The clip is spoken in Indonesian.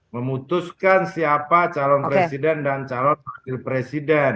memutuskan siapa calon presiden dan calon wakil presiden